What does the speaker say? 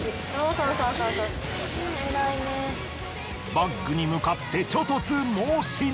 バッグに向かって猪突猛進！